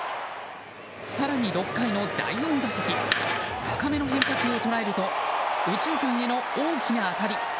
更に、６回の第４打席高めの変化球を捉えると右中間への大きな当たり。